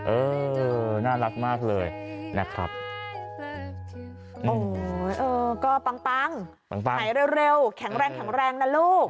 เออน่ารักมากเลยนะครับโอ้โหเออก็ปังปังหายเร็วแข็งแรงนะลูก